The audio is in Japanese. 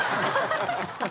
ハハハハ！